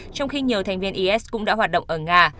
trong khi nhiều thành viên is cũng đã hoạt động ở nga